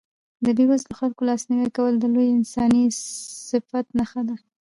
د بېوزلو خلکو لاسنیوی کول د لوی انساني صفت نښه ده.